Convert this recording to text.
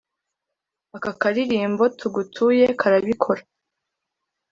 aka kalirimbo tugutuye karabikora